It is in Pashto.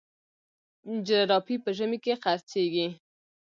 جراپي په ژمي کي خرڅیږي.